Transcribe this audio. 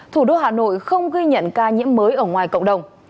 thủ đô hà nội không ghi nhận ca nhiễm mới ở ngoài cộng đồng